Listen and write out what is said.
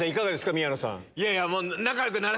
宮野さん。